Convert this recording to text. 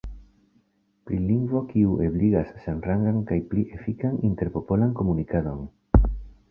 Pri lingvo kiu ebligas samrangan kaj pli efikan interpopolan komunikadon?